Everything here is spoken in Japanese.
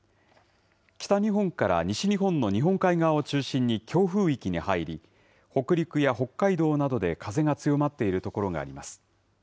北日本から西日本の日本海側を中心に強風域に入り、北陸や北海道などで風が強まっている所があります。